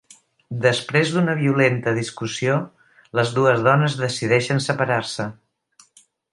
Després d'una violenta discussió, les dues dones decideixen separar-se.